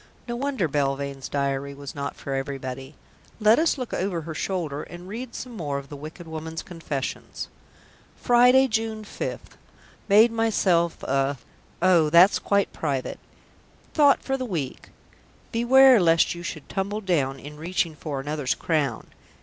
No wonder Belvane's diary was not for everybody. Let us look over her shoulder and read some more of the wicked woman's confessions. "Friday, June 5th. Made myself a " Oh, that's quite private. However we may read this: "Thought for the week. Beware lest you should tumble down In reaching for another's crown."